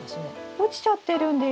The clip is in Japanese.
落ちちゃってるんです。